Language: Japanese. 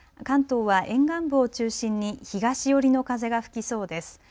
関東は沿岸部を中心に東寄りの風が吹きそうです。